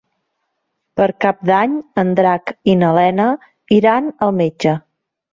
Per Cap d'Any en Drac i na Lena iran al metge.